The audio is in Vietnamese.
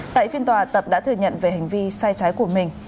tại phiên tòa tập đã thừa nhận về hành vi sai trái của mình